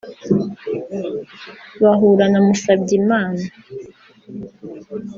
bahura na Musabyimana